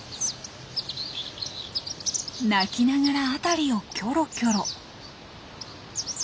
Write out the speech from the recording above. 鳴きながら辺りをキョロキョロ。